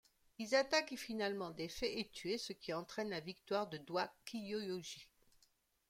Hisatake est finalement défait et tué, ce qui entraîne la victoire de Doi Kiyoyoshi.